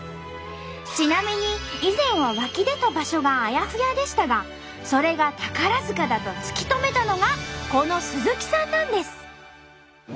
ちなみに以前は湧き出た場所があやふやでしたがそれが宝塚だと突き止めたのがこの鈴木さんなんです。